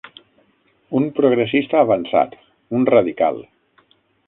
Un progressista avançat, un radical.